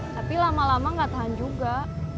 tapi lama lama gak tahan juga